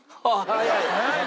早い！